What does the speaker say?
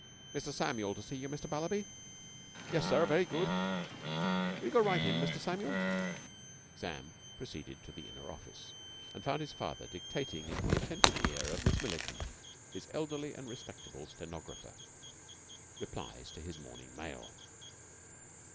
"Mr. Samuel to see you, Mr. Mallaby. Yes, sir, very good. Will you go right in, Mr. Samuel?" Sam proceeded to the inner office, and found his father dictating into the attentive ear of Miss Milliken, his elderly and respectable stenographer, replies to his morning mail.